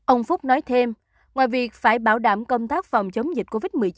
ông phúc nói thêm ngoài việc phải bảo đảm công tác phòng chống dịch covid một mươi chín